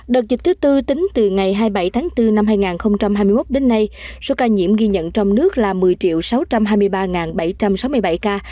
đợt dịch thứ tư tính từ ngày hai mươi bảy tháng bốn năm hai nghìn hai mươi một đến nay số ca nhiễm ghi nhận trong nước là một mươi sáu trăm hai mươi ba bảy trăm sáu mươi bảy ca